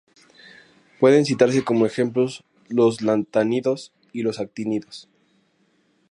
Pueden citarse como ejemplos los lantánidos y los actínidos.